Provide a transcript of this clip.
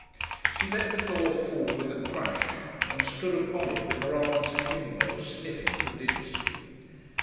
She let the door fall with a crash, and stood upon it with her arms a kimbo, sniffing prodigiously.